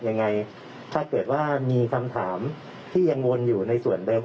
ยังไงถ้าเกิดว่ามีคำถามที่ยังวนอยู่ในส่วนเดิม